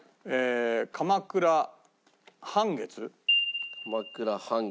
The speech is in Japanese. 鎌倉半月。